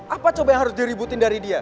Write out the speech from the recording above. apa coba yang harus diributin dari dia